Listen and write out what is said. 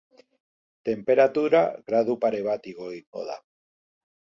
Tenperatura gradu pare bat igo egingo da.